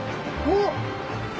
おっ！